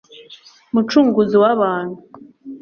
mucunguzi w abantu